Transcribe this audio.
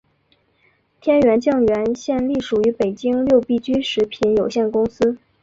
天源酱园现隶属于北京六必居食品有限公司。